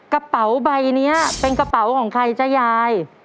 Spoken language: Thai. กระเป๋าใบนี้เป็นกระเป๋าของใครจ๊ะยาย